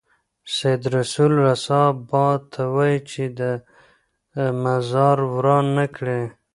سید رسول رسا باد ته وايي چې د ده مزار وران نه کړي.